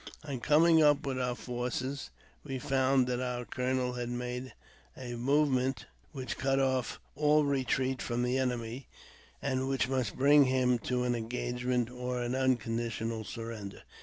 On coming up with our forces, we found that our colonel had made a movement which cut off all retreat from the enemy, and which must bring him to an engagement, or an unconditional surrender.